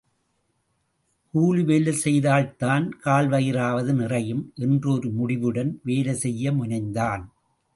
கூலி வேலை செய்தால்தான் கால் வயிறாவது நிறையும் என்று ஒரு முடிவுடன் வேலை செய்ய முனைந்தான்.